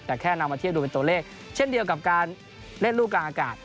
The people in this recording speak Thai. แต่แค่นำมาเทียบดูเป็นตัวเลขเช่นเดียวกับการเล่นลูกกลางอากาศ